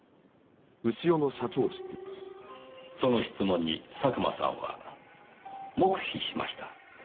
その質問に佐久間さんは黙秘しました。